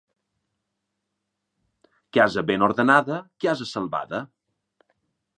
Casa ben ordenada, casa salvada.